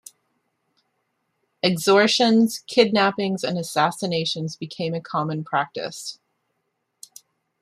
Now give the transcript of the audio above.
Extortions, kidnappings and assassinations became a common practice.